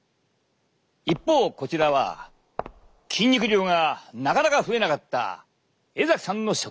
一方こちらは筋肉量がなかなか増えなかった江さんの食事だ。